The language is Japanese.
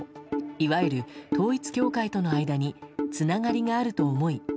いわゆる統一教会との間につながりがあると思い